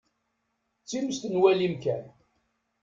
D times n walim kan.